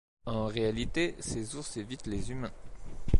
En réalité ces ours évitent les humains.